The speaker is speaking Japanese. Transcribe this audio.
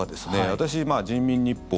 私、人民日報